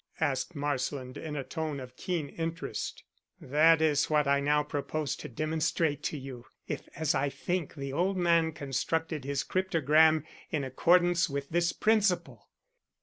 asked Marsland, in a tone of keen interest. "That is what I now propose to demonstrate to you, if, as I think, the old man constructed his cryptogram in accordance with this principle.